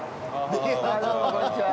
どうもこんにちは。